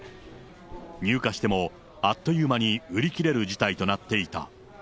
入荷してもあっという間に売り切れる事態となっていた。